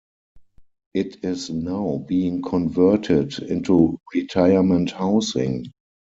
It is now being converted into retirement housing.